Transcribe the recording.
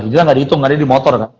hijrah ga dihitung ga ada di motor